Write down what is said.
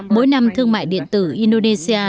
mỗi năm thương mại điện tử indonesia